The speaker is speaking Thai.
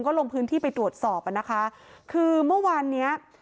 ก็ลงพื้นที่ไปตรวจสอบอ่ะนะคะคือเมื่อวานเนี้ย